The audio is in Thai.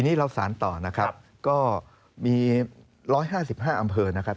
นี่เราสารต่อนะครับก็มี๑๕๕อำเภอนะครับ